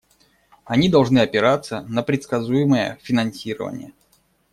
Они должны опираться на предсказуемое финансирование.